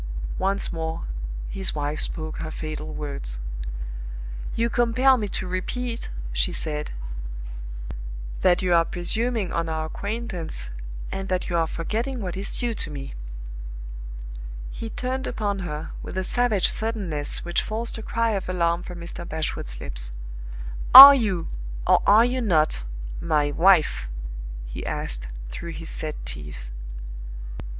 Once more his wife spoke her fatal words. "You compel me to repeat," she said, "that you are presuming on our acquaintance, and that you are forgetting what is due to me." He turned upon her, with a savage suddenness which forced a cry of alarm from Mr. Bashwood's lips. "Are you, or are you not, My Wife?" he asked, through his set teeth.